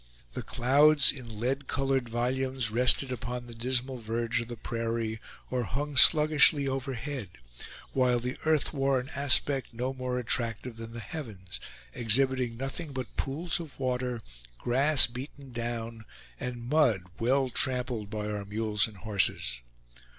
The clouds, in lead colored volumes, rested upon the dismal verge of the prairie, or hung sluggishly overhead, while the earth wore an aspect no more attractive than the heavens, exhibiting nothing but pools of water, grass beaten down, and mud well trampled by our mules and horses.